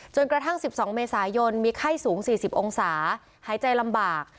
จนกระทั่งสิบสองเมษายนมีไข้สูงสี่สิบองศาหายใจลำบาก